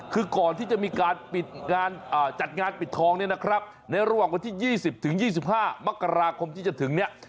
คือก่อนที่จะมีการจัดงานปิดทองเนี่ยนะครับในระหว่างวันที่๒๐๒๕มกราคมที่จะถึงเนี่ย